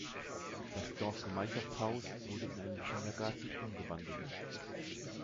Das Dorfgemeinschaftshaus wurde in einen Kindergarten umgewandelt.